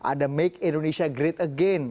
ada make indonesia great again